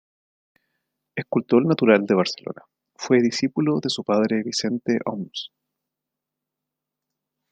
Escultor natural de Barcelona, fue discípulo de su padre Vicente Oms.